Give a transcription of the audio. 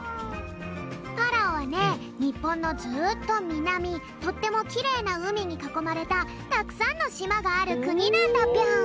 パラオはね日本のずっとみなみとってもきれいなうみにかこまれたたくさんのしまがある国なんだぴょん。